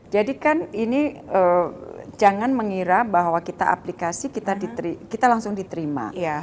jadi kan ini jangan mengira bahwa kita aplikasi kita langsung diterima